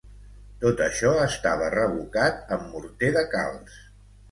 Tot això estava revocat amb morter de calç.